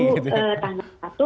kenapa harus menunggu tanggal satu